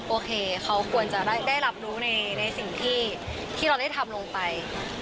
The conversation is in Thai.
โอเคเขาควรจะได้รับรู้ในสิ่งที่เราได้ทำลงไป